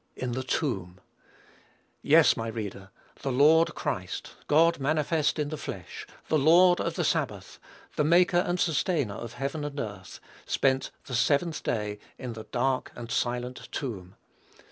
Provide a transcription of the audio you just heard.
In the tomb! Yes, my reader, the Lord Christ, God manifest in the flesh, the Lord of the Sabbath, the maker and sustainer of heaven and earth, spent the seventh day in the dark and silent tomb.